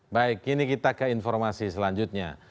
baik kini kita ke informasi selanjutnya